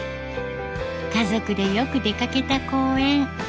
家族でよく出かけた公園。